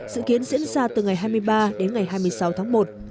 dự kiến diễn ra từ ngày hai mươi ba đến ngày hai mươi sáu tháng một